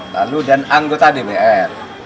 lalu dan anggota dpr